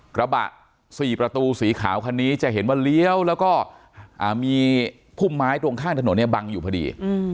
กระบะ๔ประตูสีขาวคันนี้จะเห็นว่าเลี้ยวแล้วก็มีพุ่มไม้ตรงข้างถนนเนี่ยบังอยู่พอดี